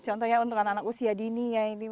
contohnya untuk anak anak usia dini ya